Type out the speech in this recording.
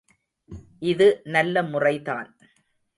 இது நல்ல முறைதான்.